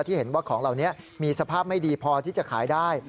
ที่เห็นว่าของเหล่านี้มีสภาพไม่ดีพอที่จะขายได้